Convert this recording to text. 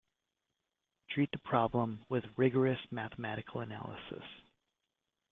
Treat the problem with rigorous mathematical analysis.